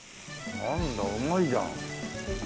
なんだうまいじゃん。